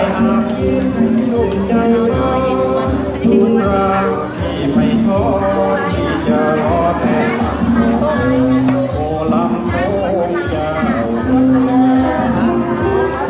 มุ่งราเร็วที่ไม่ต้องที่จะรอเท่ามุ่งราเร็วที่สุลัมต์มุ่งอย่าง